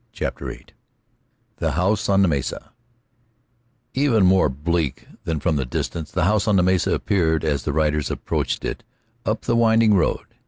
CHAPTER VIII THE HOUSE ON THE MESA Even more bleak than from a distance the house on the mesa appeared as the riders approached it up the winding road.